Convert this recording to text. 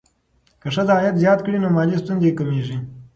که ښځه عاید زیات کړي، نو مالي ستونزې کمېږي.